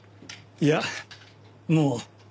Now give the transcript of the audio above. いやもう。